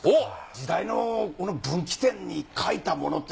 時代の分岐点に書いたものって